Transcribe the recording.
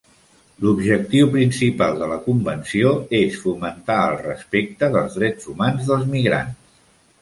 L'objectiu principal de la convenció és fomentar el respecte dels drets humans dels migrants.